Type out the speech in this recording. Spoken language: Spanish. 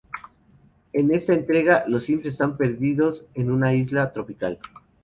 En esta entrega, los Sims están perdidos en una isla tropical.